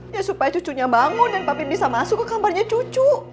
ya supaya cucunya bangun dan pak pit bisa masuk ke kamarnya cucu